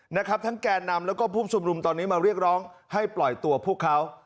นะครับทั้งแก่นำแล้วก็ผู้ชุมนุมตอนนี้มาเรียกร้องให้ปล่อยตัวพวกเขา